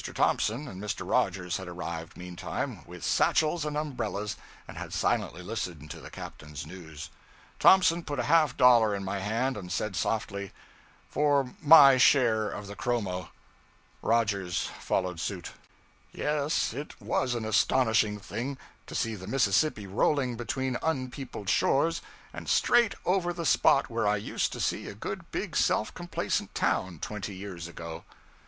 Thompson and Mr. Rogers had arrived, meantime, with satchels and umbrellas, and had silently listened to the captain's news. Thompson put a half dollar in my hand and said softly 'For my share of the chromo.' Rogers followed suit. Yes, it was an astonishing thing to see the Mississippi rolling between unpeopled shores and straight over the spot where I used to see a good big self complacent town twenty years ago.